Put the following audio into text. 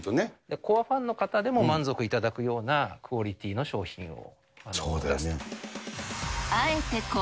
コアファンの方でも満足いただくようなクオリティーの商品を。